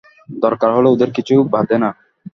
দরকার হলে ওদের কিছু বাধে না।